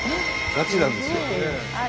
ガチなんですよこれ。